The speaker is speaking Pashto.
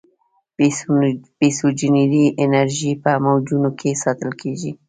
پسیوجنري انرژي په موجونو کې ساتل کېږي.